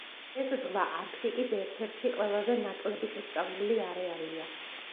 ეს ზღვა, არქტიკის ერთ-ერთი ყველაზე ნაკლებ შესწავლილი არეალია.